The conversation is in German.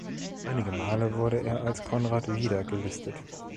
Einige Male wurde er als "Konrad Wieder" gelistet.